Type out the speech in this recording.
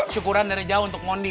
syukuran dari jauh untuk mondi